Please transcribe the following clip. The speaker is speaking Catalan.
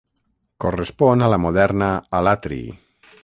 Correspon a la moderna Alatri.